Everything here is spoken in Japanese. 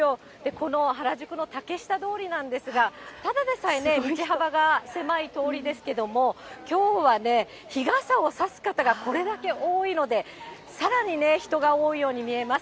この原宿の竹下通りなんですが、ただでさえ、道幅が狭い通りですけれども、きょうはね、日傘を差す方がこれだけ多いので、さらに人が多いように見えます。